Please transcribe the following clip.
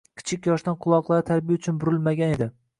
Kichik yoshdan quloqlari tarbiya uchun burilmagan edi.